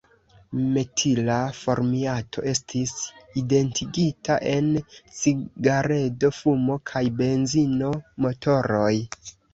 Metila formiato estis identigita en cigaredo-fumo kaj benzino-motoroj.